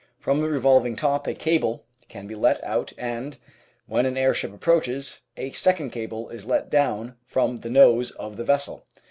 From the revolving top a cable can be let out and, when an airship approaches, a second cable is let down from the nose of the vessel.